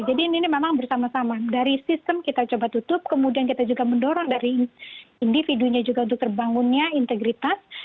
jadi ini memang bersama sama dari sistem kita coba tutup kemudian kita juga mendorong dari individunya juga untuk terbangunnya integritas